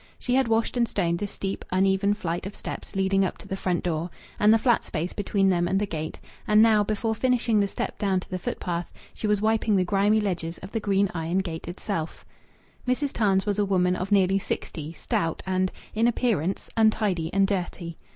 She had washed and stoned the steep, uneven flight of steps leading up to the front door, and the flat space between them and the gate; and now, before finishing the step down to the footpath, she was wiping the grimy ledges of the green iron gate itself. Mrs. Tarns was a woman of nearly sixty, stout and in appearance untidy and dirty.